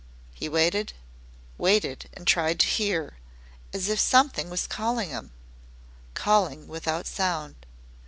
He waited waited and tried to hear, as if something was calling him calling without sound.